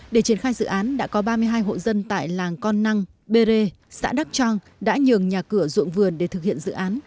để triển khai dự án đã có ba mươi hai hộ dân tại làng con năng bê rê xã đắk trang đã nhường nhà cửa ruộng vườn để thực hiện dự án